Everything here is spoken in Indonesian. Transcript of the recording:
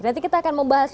nanti kita akan membahas